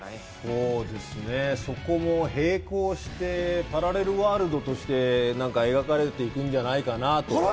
そうですね、そこも並行してパラレルワールドとして描かれていくんじゃないかなと。